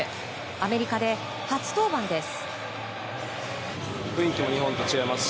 アメリカで初登板です。